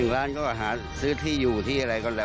ร้านก็หาซื้อที่อยู่ที่อะไรก็แล้ว